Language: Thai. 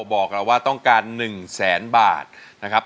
บอกเราว่าต้องการ๑แสนบาทนะครับ